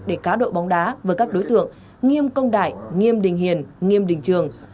để cá độ bóng đá với các đối tượng nghiêm công đại nghiêm đình hiền nghiêm đình trường